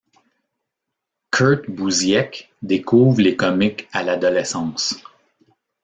Kurt Busiek découvre les comics à l'adolescence.